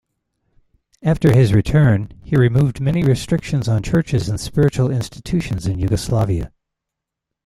After his return, he removed many restrictions on churches and spiritual institutions in Yugoslavia.